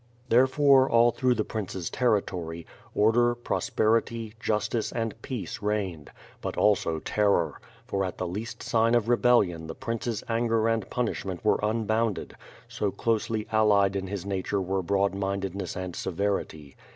Therefore, all through the prince's territory, order, prosperity, justice, and WITH FIRE AND SWORD. 75 peace reigned; but also, terror; for at the least sign of re bellion the prince's anger and punishment were unbounded, so closely allied in his nature were broadmindedness and severity.